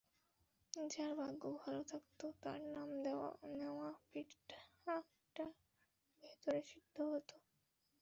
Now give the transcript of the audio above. যার ভাগ্য ভালো থাকত, তার নাম নেওয়া পিঠাটা ভেতরে সিদ্ধ হতো।